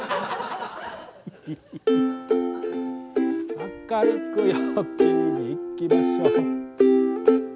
「明るく陽気にいきましょう」